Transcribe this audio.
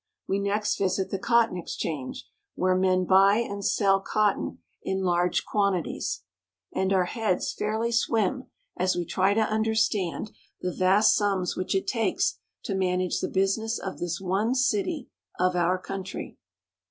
We next visit the Cotton Exchange, where men buy and sell cotton in large quantities; and our heads fairly swim as OUR FOREIGN COMMERCE. 65 we try to understand the vast sums which it takes to man age the business of this one city of our country.